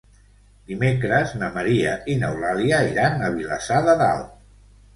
Dimecres na Maria i n'Eulàlia iran a Vilassar de Dalt.